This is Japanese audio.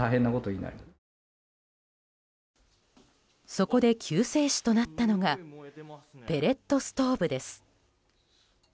そこで救世主となったのがペレットストーブです。